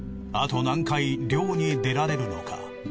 あと何回漁に出られるのか。